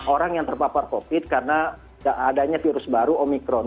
orang yang terpapar covid karena adanya virus baru omikron